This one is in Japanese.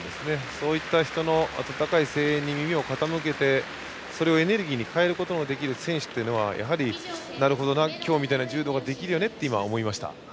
そういった人の温かい声援に耳を傾けて、それをエネルギーに変えることのできる選手というのはなるほど、今日みたいな柔道ができるよねって思いました。